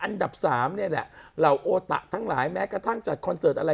อันดับสามเนี่ยแหละเหล่าโอตะทั้งหลายแม้กระทั่งจัดคอนเสิร์ตอะไร